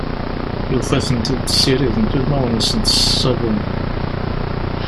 Yufa-tent-id ssirident udmawen-nsent s ssabun.